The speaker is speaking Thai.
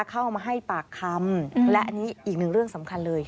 เข้ามาให้ปากคำและอันนี้อีกหนึ่งเรื่องสำคัญเลย